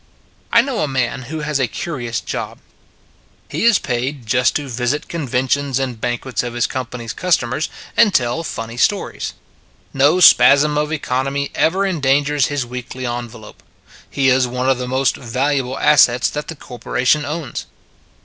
I know a man who has a curious job. He is paid just to visit conventions and banquets of his company s customers and tell funny stories. No spasm of economy ever endangers his weekly envelope. He is one of the most valuable assets that the corporation owns.